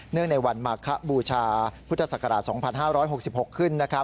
ในวันมาคบูชาพุทธศักราช๒๕๖๖ขึ้น